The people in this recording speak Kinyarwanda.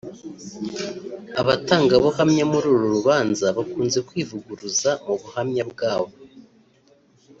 Abatangabuhamya muri uru rubanza bakunze kwivuguruza mu buhamya bwabo